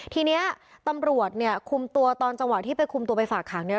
ทีนี้ตำรวจเนี่ยคุมตัวตอนจังหวะที่ไปคุมตัวไปฝากขังเนี่ย